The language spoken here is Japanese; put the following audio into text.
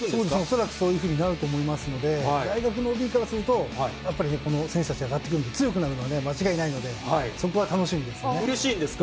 恐らくそういうふうになると思いますので、大学のＯＢからすると、やっぱりこの選手たちが上がってくると強くなるのは間違いないのうれしいんですか。